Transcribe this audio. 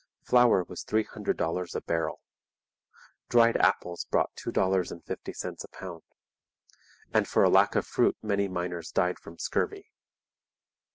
Flour was three hundred dollars a barrel. Dried apples brought two dollars and fifty cents a pound; and for lack of fruit many miners died from scurvy.